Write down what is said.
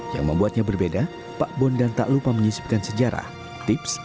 yang membuatnya berbeda pak bondan tak lupa menyisipkan sejarah tips